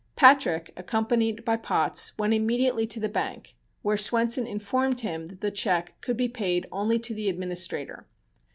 Patrick, accompanied by Potts, went immediately to the bank, where Swenson informed him that the check could be paid only to the administrator.